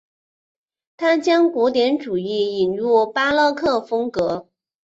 他将古典主义引入巴洛克风格。